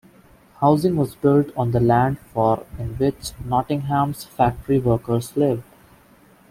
Housing was built on the land for in which Nottingham's factory workers lived.